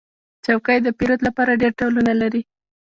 چوکۍ د پیرود لپاره ډېر ډولونه لري.